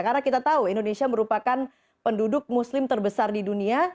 karena kita tahu indonesia merupakan penduduk muslim terbesar di dunia